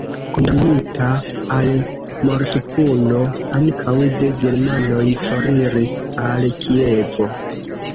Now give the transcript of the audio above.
Kondamnita al mortpuno ankaŭ de germanoj, foriris al Kievo.